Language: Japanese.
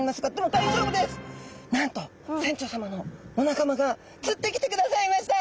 なんと船長さまのお仲間が釣ってきてくださいました